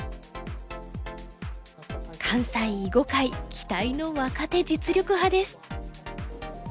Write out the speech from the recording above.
関西囲碁界期待の若手実力派です。